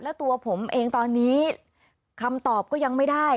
แล้วตัวผมเองตอนนี้คำตอบก็ยังไม่ได้